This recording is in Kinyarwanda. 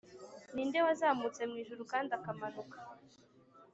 ni nde wazamutse mu ijuru kandi akamanuka’